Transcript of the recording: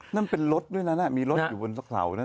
นั่นเป็นรถด้วยนั้นมีรถอยู่บนสะเขานะ